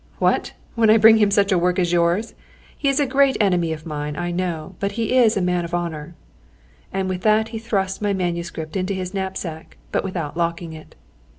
"What! When I bring him such work as yours! He is a great enemy of mine, I know, but he is a man of honour." And with that he thrust my manuscript into his knapsack, but without locking it.